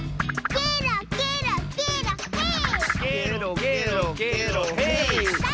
ケロケロケロヘイ！